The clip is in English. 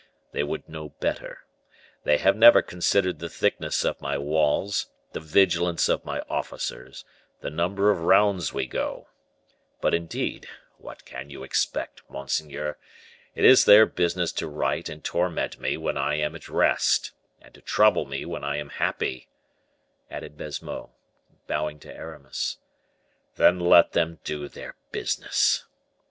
They would know better; they have never considered the thickness of my walls, the vigilance of my officers, the number of rounds we go. But, indeed, what can you expect, monseigneur? It is their business to write and torment me when I am at rest, and to trouble me when I am happy," added Baisemeaux, bowing to Aramis. "Then let them do their business."